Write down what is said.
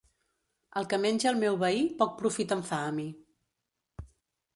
El que menja el meu veí, poc profit em fa a mi.